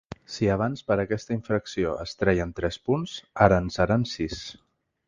Si abans per aquesta infracció es treien tres punts ara en seran sis.